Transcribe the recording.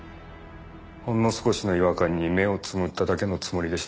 ほんの少しの違和感に目をつむっただけのつもりでした。